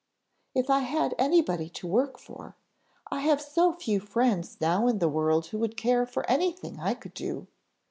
"If I had anybody to work for. I have so few friends now in the world who would care for anything I could do!